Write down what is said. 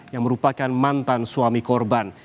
yang merupakan mantan suami korban